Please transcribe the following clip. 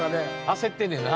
焦ってんねんな。